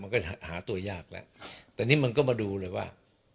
มันก็หาตัวยากแล้วแต่นี่มันก็มาดูเลยว่า